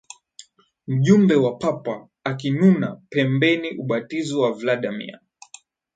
mjumbe wa Papa akinuna pembeni Ubatizo wa Vladimir